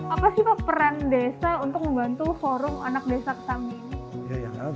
apa sih pak peran desa untuk membantu forum anak desa ketami ini